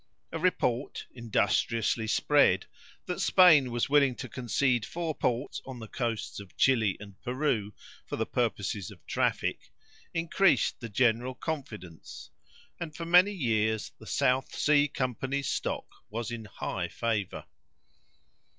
A report, industriously spread, that Spain was willing to concede four ports on the coasts of Chili and Peru for the purposes of traffic, increased the general confidence, and for many years the South Sea Company's stock was in high favour.